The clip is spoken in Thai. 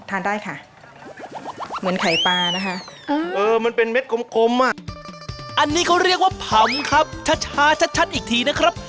อันนี้เรียกอะไรนะอันนี้